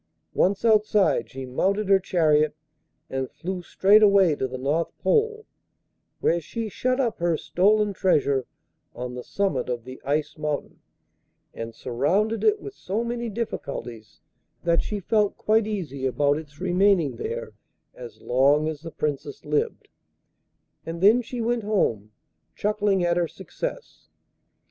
Once outside she mounted her chariot and flew straight away to the North Pole, where she shut up her stolen treasure on the summit of the Ice Mountain, and surrounded it with so many difficulties that she felt quite easy about its remaining there as long as the Princess lived, and then she went home, chuckling at her success.